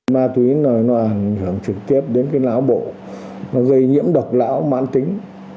ma túy nổi noàn trực tiếp đến cái lão bộ gây nhiễm độc lão mãn tính